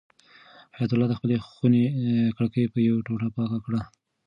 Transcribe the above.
حیات الله د خپلې خونې کړکۍ په یوې ټوټې پاکه کړه.